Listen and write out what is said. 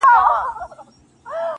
لمن دي نيسه چي په اوښكو يې در ډكه كړمه~